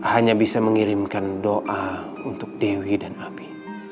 hanya bisa mengirimkan doa untuk dewi dan abe